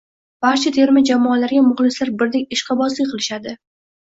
Barcha terma jamoalarga muxlislar birdek ishqibozlik qilishadi.